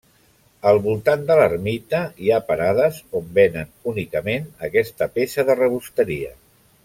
El voltant de l'ermita hi ha parades on venen únicament aquesta peça de rebosteria.